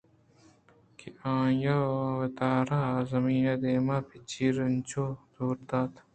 کہ آئی ءَ وتارا زمین ءَ دیم پہ چیر انچودئور دات